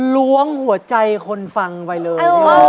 ล้วงหัวใจคนฟังไปเลย